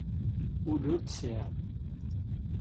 Ul ur t-tesεiḍ.